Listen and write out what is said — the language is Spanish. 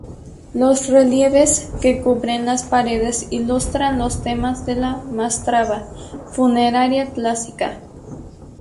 Los relieves que cubren las paredes ilustran los temas de la mastaba funeraria clásica.